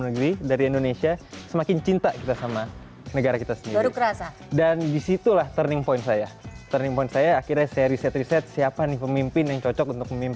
berita terkini dari kpum